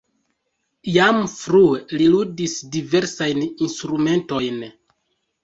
Jam frue li ludis diversajn instrumentojn.